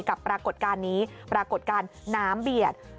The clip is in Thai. ปรากฏการณ์นี้ปรากฏการณ์น้ำเบียด